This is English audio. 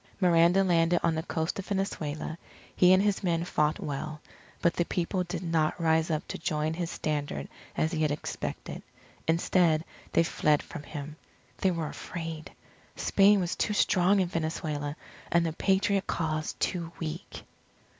Miranda landed on the coast of Venezuela. He and his men fought well. But the people did not rise up to join his standard as he had expected. Instead they fled from him. They were afraid. Spain was too strong in Venezuela, and the Patriot cause too weak.